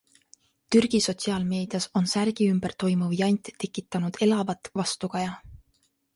Türgi sotsiaalmeedias on särgi ümber toimuv jant tekitanud elavat vastukaja.